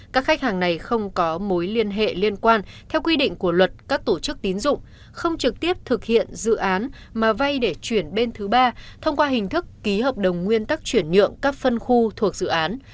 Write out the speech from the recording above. các khách hàng này không có mối liên hệ liên quan theo quy định của luật các tổ chức tín dụng không trực tiếp thực hiện dự án mà vay để chuyển bên thứ ba thông qua hình thức ký hợp đồng nguyên tắc chuyển nhượng các phân khu thuộc dự án